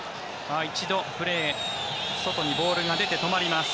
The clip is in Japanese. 一度、プレー外にボールが出て止まります。